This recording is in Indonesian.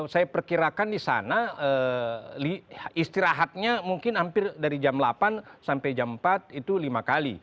saya perkirakan di sana istirahatnya mungkin hampir dari jam delapan sampai jam empat itu lima kali